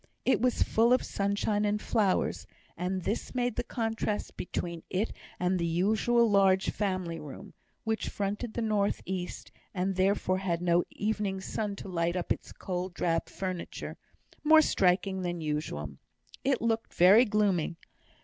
It was full of sunshine and flowers, and this made the contrast between it and the usual large family room (which fronted the north east, and therefore had no evening sun to light up its cold, drab furniture) more striking than usual. It looked very gloomy.